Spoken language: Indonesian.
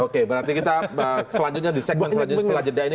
oke berarti kita selanjutnya di segmen selanjutnya setelah jeda ini